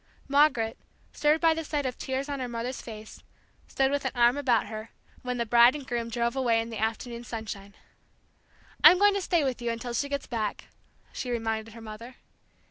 Margaret, stirred by the sight of tears on her mother's face, stood with an arm about her, when the bride and groom drove away in the afternoon sunshine. "I'm going to stay with you until she gets back!" she reminded her mother.